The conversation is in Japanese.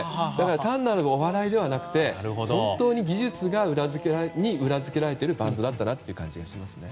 単なるお笑いではなくて本当に技術に裏付けられているバンドだったなという感じがしますね。